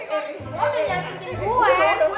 lo udah nyamperin gue